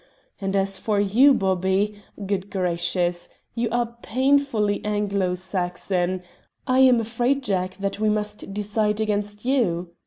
And as for you, Bobby! Good gracious! You are painfully Anglo Saxon. I am afraid, Jack, that we must decide against you.